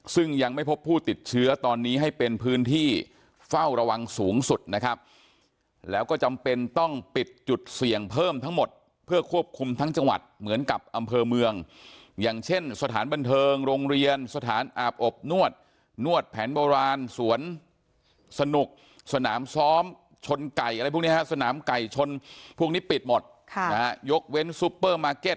ซึ่งยังไม่พบผู้ติดเชื้อตอนนี้ให้เป็นพื้นที่เฝ้าระวังสูงสุดนะครับแล้วก็จำเป็นต้องปิดจุดเสี่ยงเพิ่มทั้งหมดเพื่อควบคุมทั้งจังหวัดเหมือนกับอำเภอเมืองอย่างเช่นสถานบันเทิงโรงเรียนสถานอาบอบนวดนวดแผนโบราณสวนสนุกสนามซ้อมชนไก่อะไรพวกนี้ฮะสนามไก่ชนพวกนี้ปิดหมดค่ะนะฮะยกเว้นซุปเปอร์มาร์